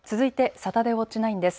サタデーウオッチ９です。